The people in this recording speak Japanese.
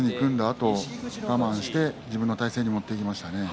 あと我慢して自分の体勢に持っていきましたね。